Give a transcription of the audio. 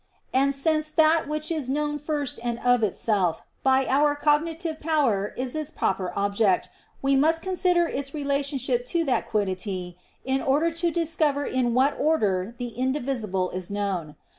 And since that which is known first and of itself by our cognitive power is its proper object, we must consider its relationship to that quiddity in order to discover in what order the indivisible is known.